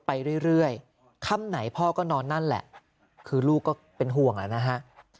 ไปเรื่อยค่ำไหนพ่อก็นอนนั่นแหละคือลูกก็เป็นห่วงแล้วนะฮะ